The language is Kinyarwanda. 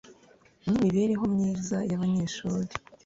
n imibereho myiza y abanyeshuri